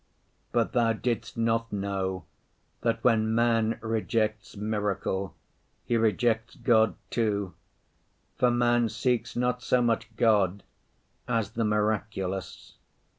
But Thou didst not know that when man rejects miracle he rejects God too; for man seeks not so much God as the miraculous.